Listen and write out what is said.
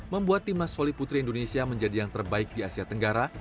membuat timnas voli putri indonesia menjadi yang terbaik di asia tenggara